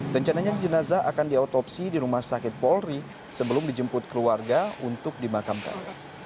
rencananya jenazah akan diautopsi di rumah sakit polri sebelum dijemput keluarga untuk dimakamkan